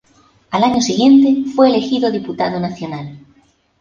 Al año siguiente fue elegido diputado nacional.